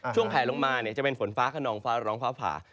แผลลงมาจะเป็นฝนฟ้าขนองฟ้าร้องฟ้าผ่า